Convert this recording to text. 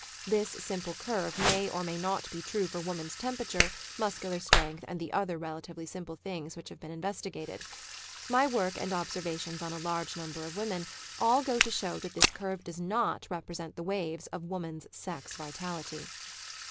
This simple curve may or may not be true for woman's tempera ture, muscular strength, and the other relatively simple things which have been investigated. My work and observations on a large number of women all go to show that this cvirve does not represent the waves of woman's sex vitality.